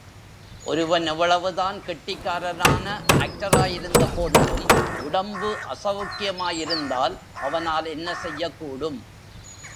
ஒருவன் எவ்வளவுதான் கெட்டிகாரனான ஆக்டராயிருந்த போதிலும், உடம்பு அசௌக்கியமாயிருந்தால் அவனால் என்ன செய்யக்கூடும்?